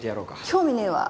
興味ねえわ。